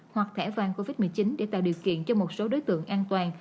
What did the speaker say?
hoặc thẻ vàng covid một mươi chín để tạo điều kiện cho một số đối tượng an toàn